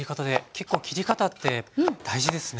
結構切り方って大事ですね。